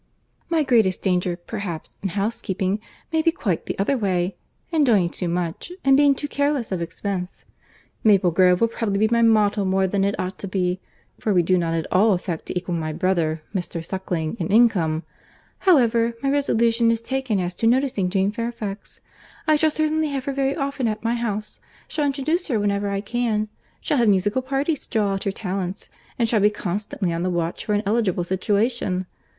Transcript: My greatest danger, perhaps, in housekeeping, may be quite the other way, in doing too much, and being too careless of expense. Maple Grove will probably be my model more than it ought to be—for we do not at all affect to equal my brother, Mr. Suckling, in income.—However, my resolution is taken as to noticing Jane Fairfax.—I shall certainly have her very often at my house, shall introduce her wherever I can, shall have musical parties to draw out her talents, and shall be constantly on the watch for an eligible situation.